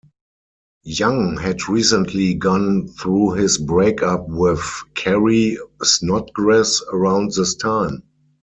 Young had recently gone through his breakup with Carrie Snodgress around this time.